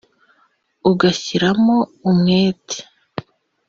ugashyiramo umwete